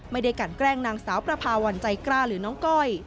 ไม่ได้กันแกล้งนางสาวประพาวันใจกล้าหรือน้องก้อย